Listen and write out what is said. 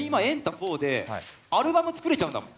４でアルバム作れちゃうんだもん。